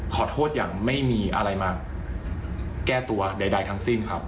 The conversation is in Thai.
ขอโทษอย่างไม่มีอะไรมาแก้ตัวใดทั้งสิ้นครับ